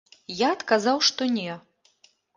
Я адказаў, што не.